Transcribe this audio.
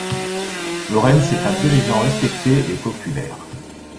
Lorenz est un dirigeant respecté et populaire.